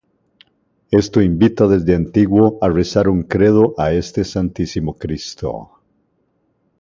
Esto invita desde antiguo a rezar un Credo a este Santísimo Cristo.